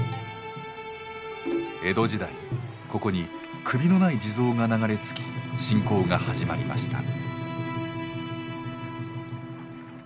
江戸時代ここに首のない地蔵が流れ着き信仰が始まりました。